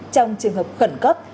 trong trường hợp khẩn cấp